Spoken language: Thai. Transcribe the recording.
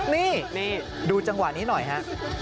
นี่ดูจังหวะนี้หน่อยฮะ